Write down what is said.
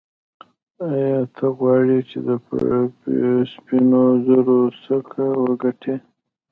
ایا ته غواړې چې د سپینو زرو سکه وګټې.